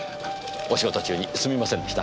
お仕事中にすみませんでした。